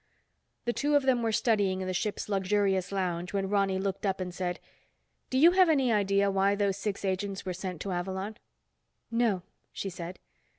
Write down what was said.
The two of them were studying in the ship's luxurious lounge when Ronny looked up and said, "Do you have any idea why those six agents were sent to Avalon?" "No," she said.